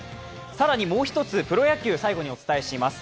更にもう１つプロ野球お伝えします